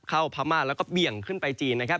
พม่าแล้วก็เบี่ยงขึ้นไปจีนนะครับ